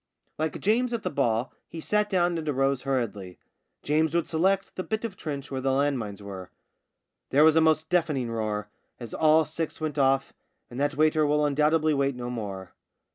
Like James at the ball, he sat down and arose hurriedly. James would select the bit of trench where the land mines were. There was a most deafening roar as all six went off, and that waiter will undoubtedly wait no more.